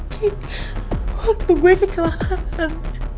ki waktu gue kecelakaan